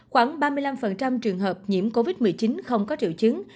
khoảng ba mươi năm trường hợp nhiễm covid một mươi chín không có triệu chứng